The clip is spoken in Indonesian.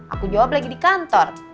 aku jawab lagi di kantor